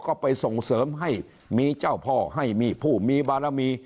ก็ไปส่งเสริมให้มีเจ้าพ่อให้มีผู้มีบารมี